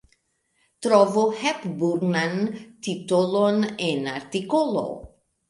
Trovu Hepburn-an titolon en artikolo.